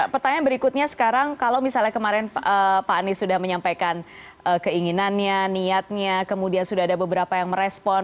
pertanyaan berikutnya sekarang kalau misalnya kemarin pak anies sudah menyampaikan keinginannya niatnya kemudian sudah ada beberapa yang merespon